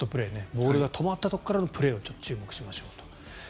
ボールが止まったところからのプレーに注目しましょうと。